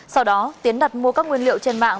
sau đó tiến đặt mua các nguyên liệu trên mạng